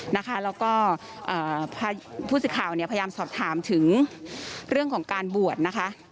แล้วก็ผู้สิทธิ์ข่าวพยายามสอบถามถึงเรื่องของการบวช